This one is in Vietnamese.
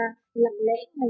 lặng lẽ ngày đêm lặng nhộn nhộn